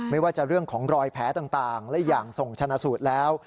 ไม่ว่าจะเรื่องของรอยแผลต่างและอย่างส่งชนะสูตรแล้ว